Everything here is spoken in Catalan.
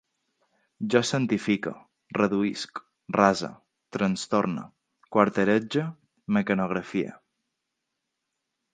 Jo santifique, reduïsc, rase, trastorne, quarterege, mecanografie